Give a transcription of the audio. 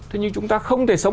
thế nhưng chúng ta không thể sống